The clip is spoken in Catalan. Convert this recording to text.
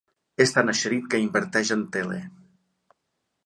És tan eixerit que inverteix en tele.